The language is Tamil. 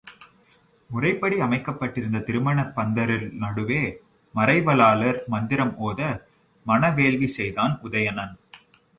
முறைப்படி அமைக்கப்பட்டிருந்த திருமணப் பந்தரில் நடுவே மறைவலாளர் மந்திரம் ஒத, மண வேள்வி செய்தான் உதயணன்.